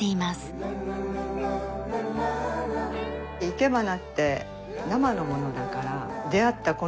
生け花って生のものだから出会ったこの瞬間